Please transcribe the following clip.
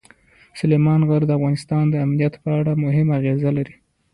سلیمان غر د افغانستان د امنیت په اړه هم اغېز لري.